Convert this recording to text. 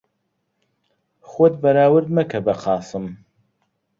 خۆت بەراورد مەکە بە قاسم.